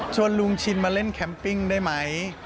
ลุงชินมาเล่นแคมปิ้งได้ไหม